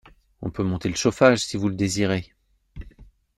On peut monter le chauffage si vous le désirez.